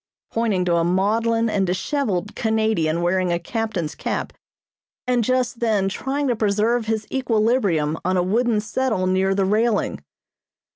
pointing to a maudlin and dishevelled Canadian wearing a captain's cap, and just then trying to preserve his equilibrium on a wooden settle near the railing.